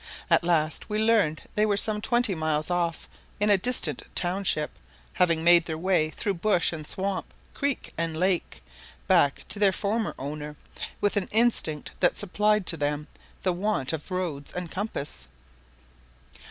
At last we learned they were some twenty miles off, in a distant township, having made their way through bush and swamp, creek and lake, back to their former owner, with an instinct that supplied to them the want of roads and compass.